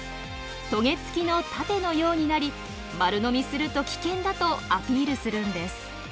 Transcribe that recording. トゲ付きの盾のようになり丸飲みすると危険だとアピールするんです。